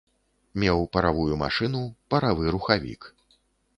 Меў паравую машыну, паравы рухавік.